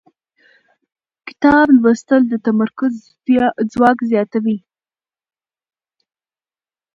کتاب لوستل د تمرکز ځواک زیاتوي